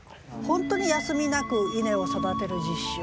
本当に休みなく稲を育てる実習